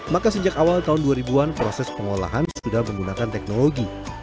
maka sejak awal tahun dua ribu an proses pengolahan sudah menggunakan teknologi